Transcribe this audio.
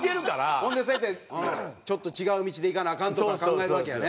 ほんでそうやってちょっと違う道でいかなアカンとか考えるわけやね。